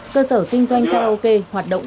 cơ sở kinh doanh karaoke hoạt động